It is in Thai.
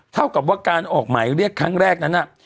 เท่ากับว่าการออกหมายเรียกครั้งแรกนั้น